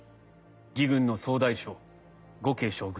魏軍の総大将・呉慶将軍。